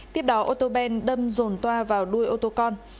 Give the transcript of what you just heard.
tiếp đó ô tô ben đâm dồn toa vào đuôi ô tô con